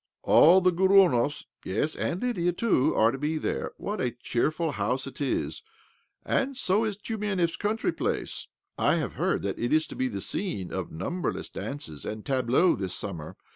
All the Gorunovs —yes, and Lydia, too — are to be there. What a cheerful house it is ! And so is Tiumenev's country place. I have heard that it is to be the scene of numberless dances and tableaux this summer.